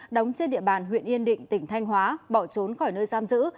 đóng trên địa bàn huyện yên định tỉnh thanh hóa bỏ trốn khỏi nơi giam giữ